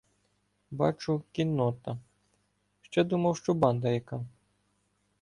— Бачу, кіннота "ще, думав, що банда яка.